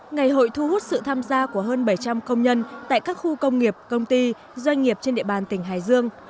ngày hội thu hút sự tham gia của hơn bảy trăm linh công nhân tại các khu công nghiệp công ty doanh nghiệp trên địa bàn tỉnh hải dương